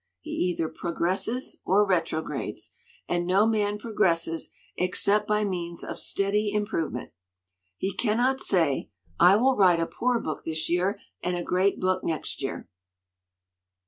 He either progresses or retrogrades, and no man progresses except by means of steady improvement. He cannot say, 'I will write a poor book this year and a great book next year."